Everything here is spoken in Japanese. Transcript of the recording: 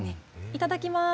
いただきます。